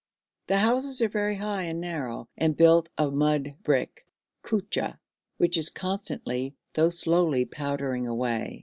The houses are very high and narrow and built of mud brick (kutcha), which is constantly though slowly powdering away.